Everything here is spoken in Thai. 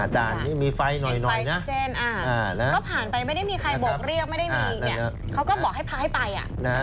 ด่านนี้มีไฟหน่อยนะ